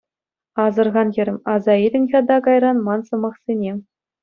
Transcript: Асӑрхан, хӗрӗм, аса илӗн-ха та кайран ман сӑмахсене.